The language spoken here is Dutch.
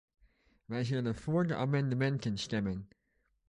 Wij zullen voor de amendementen stemmen.